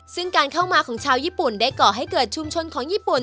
ซึ่งการเข้ามาของชาวญี่ปุ่นได้ก่อให้เกิดชุมชนของญี่ปุ่น